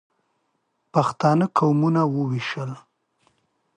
پښتانه قومونه ووېشله.